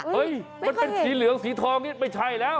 มันเป็นสีเหลืองสีทองนี่ไม่ใช่แล้ว